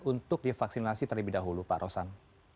untuk divaksinasi terlebih dahulu pak rosan